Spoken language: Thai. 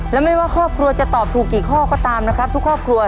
และไม่ว่าครอบครัวจะตอบถูกกี่ข้อก็ตามนะครับ